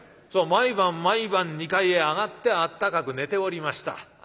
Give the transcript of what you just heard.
毎晩毎晩２階へ上がってあったかく寝ておりました。